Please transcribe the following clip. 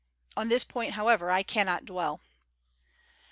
On this point, however, I cannot dwell.